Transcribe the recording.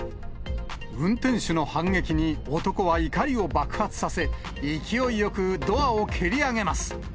運転手の反撃に男は怒りを爆発させ、勢いよくドアをけり上げます。